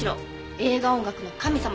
映画音楽の神様。